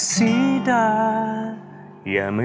จะปล่ามอง